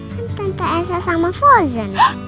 kan tante elsa sama frozen